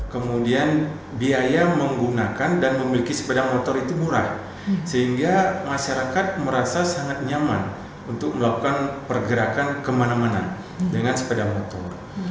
kemudian biaya menggunakan dan memiliki sepeda motor itu murah sehingga masyarakat merasa sangat nyaman untuk melakukan pergerakan kemana mana dengan sepeda motor